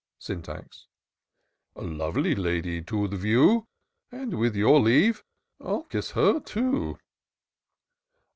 Syntax. A lovely lady to the view! And with your leave, I'll kiss her too."